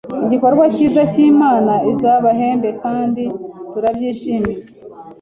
Igikorwa cyiza Imana izabahembe kandi turabyishimiye